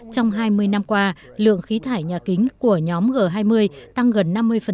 trong hai mươi năm qua lượng khí thải nhà kính của nhóm g hai mươi tăng gần năm mươi